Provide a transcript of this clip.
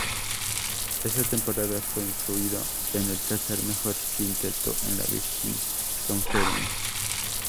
Esa temporada fue incluido en el tercer mejor quinteto de la Big Ten Conference.